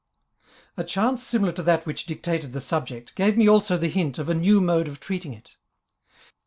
, A chance similar to that which dictated the subject, gave me also the hint of a new mode of treating it.